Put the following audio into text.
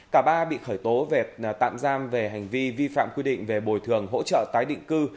cả ba bị khởi tố về tạm giam về hành vi vi phạm quy định về bồi thường hỗ trợ tái định cư